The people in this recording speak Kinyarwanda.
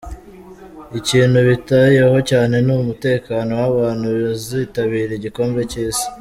Ikintu bitayeho cyane ni umutekano w’abantu bazitabira igikombe cy’Isi.